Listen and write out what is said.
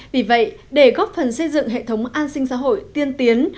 vì vậy để góp phần xây dựng hệ thống an sinh xã hội tiên tiến